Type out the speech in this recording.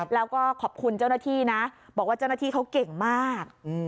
แล้วก็ขอบคุณเจ้าหน้าที่นะบอกว่าเจ้าหน้าที่เขาเก่งมาก